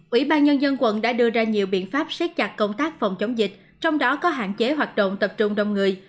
ủy ban nhân dân quận đã đưa ra nhiều biện pháp xét chặt công tác phòng chống dịch trong đó có hạn chế hoạt động tập trung đông người